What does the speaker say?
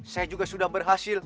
saya juga sudah berhasil